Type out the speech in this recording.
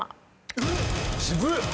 えっ⁉渋っ！